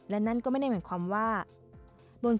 และการบริการผู้โดยสาร๑๒๗๕ราย